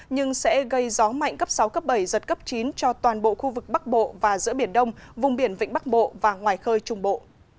nhưng sẽ gây gió mạnh cấp sáu cấp bảy giật cấp chín cho toàn bộ khu vực bắc bộ và giữa biển đông vùng biển vĩnh bắc bộ và ngoài khơi trung bộ